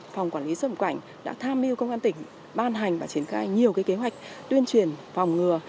phòng quản lý xung quanh đã tham mưu công an tỉnh ban hành và triển khai nhiều kế hoạch tuyên truyền phòng ngừa